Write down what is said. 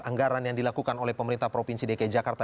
anggaran yang dilakukan oleh pemerintah provinsi dki jakarta